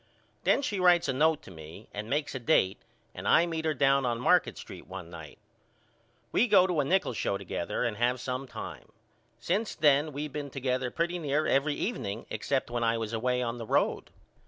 Then she writes a note to me and makes a date and I meet her down on Market Street one night. We go to a nickel show together and have some time. Since then we been together pretty near every evening except when I was away on the road.